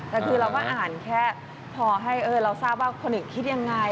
แต่คือเราก็อ่านแค่พอให้เราทราบว่าคนอื่นคิดยังไง